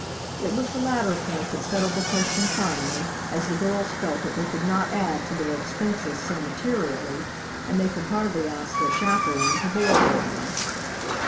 It was the latter point that settled the question finally, as the girls felt that they could not add to their expenses so materially, and they could hardly ask their chaperone to board with them.